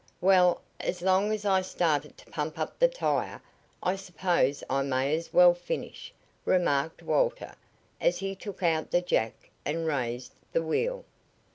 "Well, as long as I started to pump up the tire I suppose I may as well finish," remarked Walter, as he took out the jack and raised the wheel.